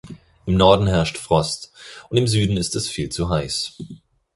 Im Norden herrscht Frost, und im Süden ist es viel zu heiß.